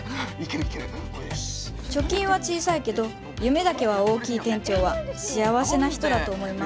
貯金は小さいけど夢だけは大きい店長は幸せな人だと思います